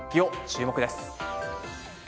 注目です。